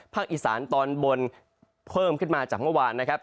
อีสานตอนบนเพิ่มขึ้นมาจากเมื่อวานนะครับ